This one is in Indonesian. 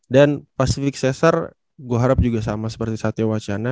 dan pacific cesar gue harap juga sama seperti satya wacana